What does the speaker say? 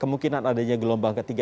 kemungkinan adanya gelombang ketiga